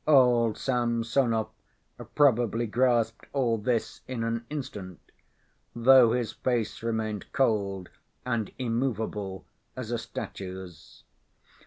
Old Samsonov probably grasped all this in an instant, though his face remained cold and immovable as a statue's.